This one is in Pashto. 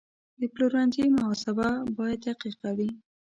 د پلورنځي محاسبه باید دقیقه وي.